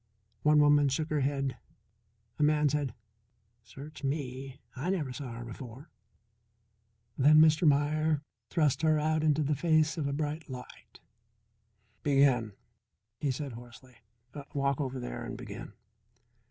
One woman shook her head. A man said: "Search me! I never saw her before." Then Mr. Meier thrust her out in the face of a bright light. "Begin," he said hoarsely. "Walk over there and begin."